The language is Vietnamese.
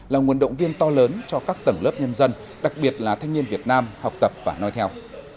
là nguồn động viên to lớn cho các tầng lớp nhân dân đặc biệt là thanh niên việt nam học tập và nói theo